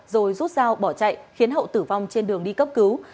rồi rút dao bỏ chạy khiến hậu tử vong trên đường đi cấp cứu